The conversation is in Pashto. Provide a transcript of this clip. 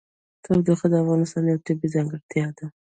تودوخه د افغانستان یوه طبیعي ځانګړتیا ده.